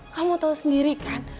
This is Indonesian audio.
kamu tau sendiri kan